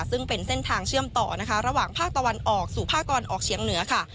ซึ่งเป็นเส้นทางเชื่อมต่อนะคะระหว่างภาคตะวันออกสู่ภาคตะวันออกเฉียงเหนือค่ะ